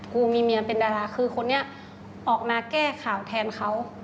กูมีเมียเป็นดาราคือคนนี้ออกมาแก้ข่าวแทนเขา